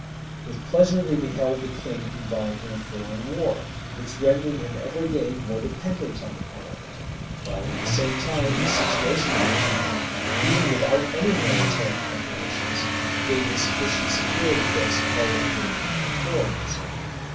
With pleasure they beheld the king involved in a foreign war, which rendered him every day more dependent on the parliament; while at the same time the situation of the kingdom, even without any military preparations, gave it sufficient security against all invasion from foreigners.